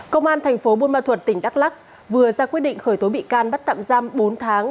công an thành phố buôn ma thuật tỉnh đắk lắc vừa ra quyết định khởi tố bị can bắt tạm giam bốn tháng